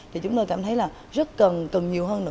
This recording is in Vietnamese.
thì chúng tôi cảm thấy là rất cần cần nhiều hơn